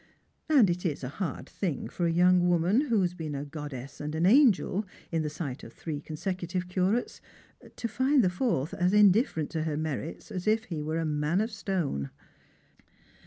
A nd it ia a hard thing for a young woman, who has been a god dess and an angel in the sight of three consecutive curates, to find the fourth as indifferent to her merits as if he were a man of stone.